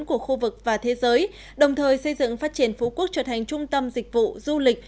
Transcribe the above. của khu vực và thế giới đồng thời xây dựng phát triển phú quốc trở thành trung tâm dịch vụ du lịch